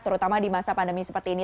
terutama di masa pandemi seperti ini